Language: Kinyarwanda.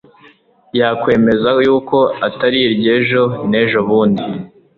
yakwemeza y'uko atari iry'ejo n'ejobundi